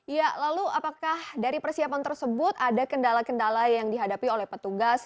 ya lalu apakah dari persiapan tersebut ada kendala kendala yang dihadapi oleh petugas